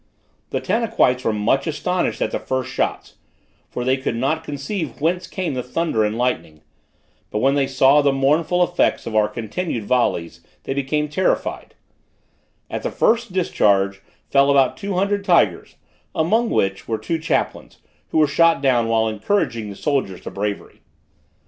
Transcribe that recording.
The Tanaquites were much astonished at the first shots, for they could not conceive whence came the thunder and lightning; but when they saw the mournful effects of our continued volleys, they became terrified; at the first discharge fell about two hundred tigers, among which were two chaplains, who were shot down while encouraging the soldiers to bravery.